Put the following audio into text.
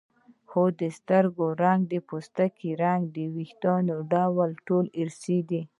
هو د سترګو رنګ د پوستکي رنګ او د وېښتانو ډول ټول ارثي دي